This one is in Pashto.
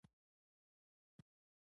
مارکوس خپل زوی ځایناستی ټاکلی و.